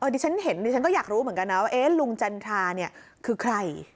ดิฉันเห็นดิฉันก็อยากรู้เหมือนกันนะว่าลุงจันทราเนี่ยคือใคร